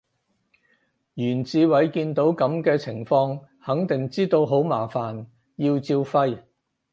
袁志偉見到噉嘅情況肯定知道好麻煩，要照肺